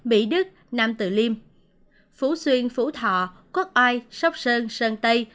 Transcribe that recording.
mỹ đức nam tự liêm phú xuyên phú thọ quốc oai sóc sơn sơn tây